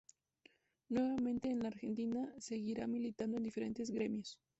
Nuevamente en la Argentina, seguirá militando en diferentes gremios.